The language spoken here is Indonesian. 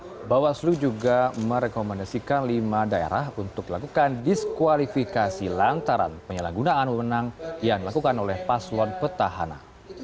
wabawaslu juga merekomendasikan lima daerah untuk melakukan diskualifikasi lantaran penyelanggunaan memenang yang dilakukan oleh paslon petahana